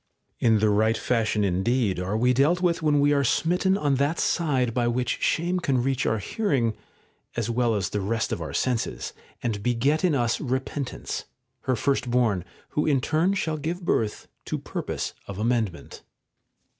In the right fashion indeed are we dealt with when we are smitten on that side by which shame can reach our hearing as well as the rest of our senses, and beget in us repentance, her first born, who in turn shall give birth to purpose of amendment.